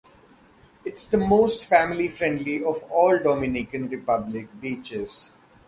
It's the most family friendly of all the Dominican Republic beaches.